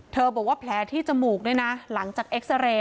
บอกว่าแผลที่จมูกด้วยนะหลังจากเอ็กซาเรย์